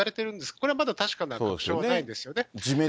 これまだ確かなものはないですよね。